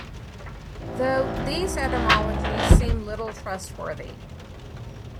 Though, these etymologies seem little trustworthy.